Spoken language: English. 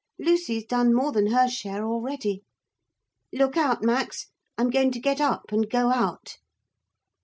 Lucy's done more than her share already. Look out, Max; I'm going to get up and go out.'